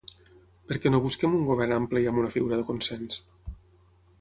Per què no busquem un govern ampli i amb una figura de consens?